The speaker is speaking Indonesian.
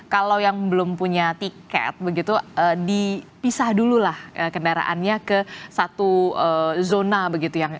kalau yang belum punya tiket begitu dipisah dulu lah kendaraannya ke satu zona begitu